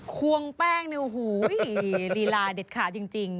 ควงแป้งนี่โอ้โหลีลาเด็ดขาดจริง